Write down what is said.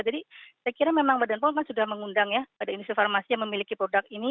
jadi saya kira memang badan pom sudah mengundang ya pada industri farmasi yang memiliki produk ini